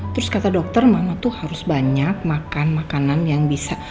terus kata dokter mama tuh harus banyak makan makanan yang bisa